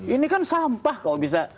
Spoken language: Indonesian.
ini kan sampah kok bisa